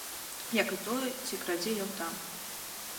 Як і тое, ці крадзе ён там.